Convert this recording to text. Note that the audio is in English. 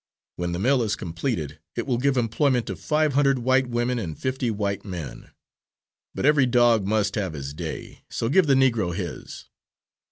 When the mill is completed it will give employment to five hundred white women and fifty white men. But every dog must have his day, so give the Negro his."